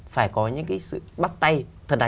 phải có những sự bắt tay thật là